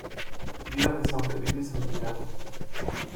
Día de San Felipe y Santiago.